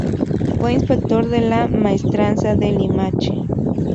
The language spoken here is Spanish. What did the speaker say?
Fue Inspector de la Maestranza de Limache.